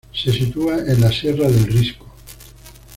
Se sitúa en la Sierra del Risco.